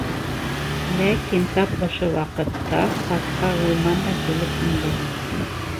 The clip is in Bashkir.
Ләкин тап ошо ваҡытта класҡа Ғилман да килеп инде.